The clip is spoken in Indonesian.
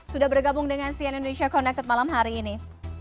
sudah bergabung dengan cn indonesia connected malam hari ini